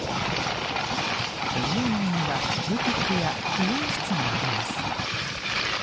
エリア内にはブティックや美容室もあります。